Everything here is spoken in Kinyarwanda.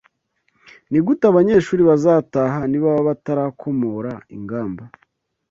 Nigute abanyeshuri bazataha nibaba batarakomora ingamba?